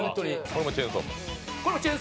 これも『チェンソーマン』。